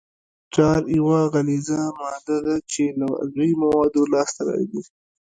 ټار یوه غلیظه ماده ده چې له عضوي موادو لاسته راځي